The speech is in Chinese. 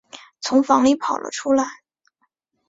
从房里跑了出来